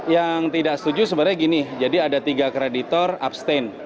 yang tidak setuju sebenarnya gini jadi ada tiga kreditor abstain